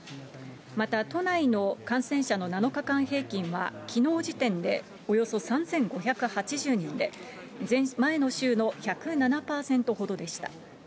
また都内の感染者の７日間平均は、きのう時点でおよそ３５８０人で、前の週の１０７％ほどでした。